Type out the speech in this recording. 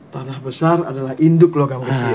tanah besar adalah induk logam kecil